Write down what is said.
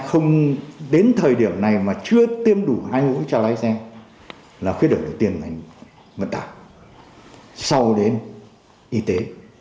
nhưng đến thời điểm này mà chưa tiêm đủ hai mũi cho lái xe là khuyết đổi đầu tiên ngành vận tải sau đến y tế